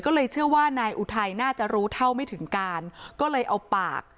ก็เลยเชื่อว่านายอุทัยน่าจะรู้เท่าไม่ถึงการก็เลยเอาปาก